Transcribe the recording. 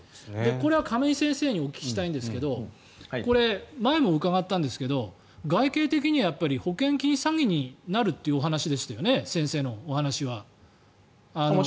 これは亀井先生にお聞きしたいんですけど前も伺ったんですが外形的には保険金詐欺になるというお話でしたよね先生のお話は。